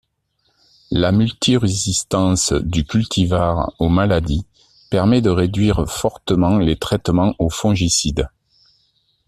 La multirésistance du cultivar aux maladies permet de réduire fortement les traitements aux fongicides.